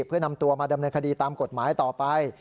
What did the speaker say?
เพื่อนำตัวมาดำเนินคดีตามกฎหมายต่อไป